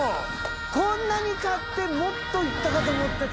こんなに買ってもっといったかと思ってた。